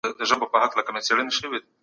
د پانګې اچونه تر ساده زیرمې ګټوره ثابتیږي.